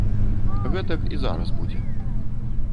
Гэтак і зараз будзе.